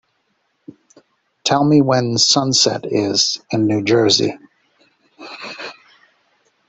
Tell me when Sunset is in New Jersey